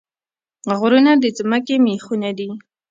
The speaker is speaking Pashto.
غرونه د ځمکې میخونه دي